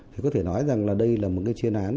thì có thể nói rằng là đây là một cái chuyên án